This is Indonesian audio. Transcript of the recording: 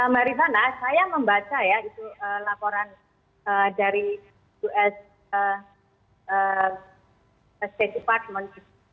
marivana saya membaca laporan dari state department